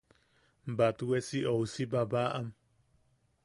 –¿Batwe si ousi babaʼam?